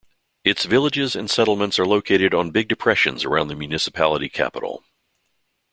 Its villages and settlements are located on big depressions around the municipality capital.